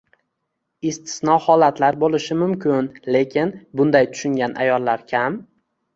Istisno holatlar bo`lishi mumkin, lekin bunday tushungan ayollar kam